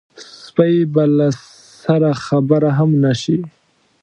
سپۍ به له سره خبره هم نه شي.